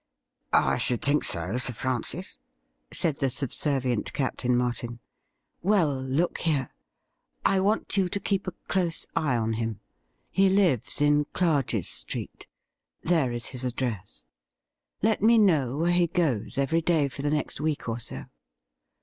'I should think so, Sir Francis,' said the subservient Captain Martin. ' Well, look here : I want you to keep a close eye on him. He lives in Clarges Street. There is his address. Let me know where he goes every day for the next week or so.'